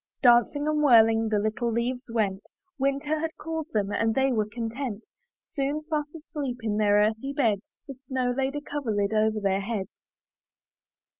Dancing and whirling, the little leaves went, Winter had called them and they were content; Soon, fast asleep in their earthy beds. The snow laid a coverlid over their heads.